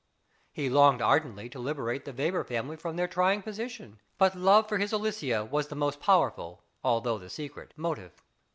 He longed ardently to liberate the Weber family from their trying position; but love for his Aloysia was the most powerful, although the secret motive.